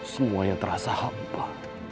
semuanya terasa hampa